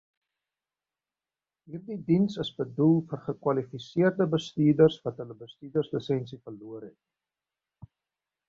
Hierdie diens is bedoel vir gekwalifiseerde bestuurders wat hulle bestuurslisensie verloor het.